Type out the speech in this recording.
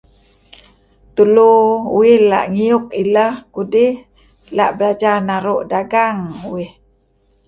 Tulu uih la' ngiuk ileh kudih ela' belajar naru' dagang uih.